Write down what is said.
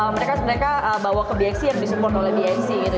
mereka bawa ke bxc yang disupport oleh bmc gitu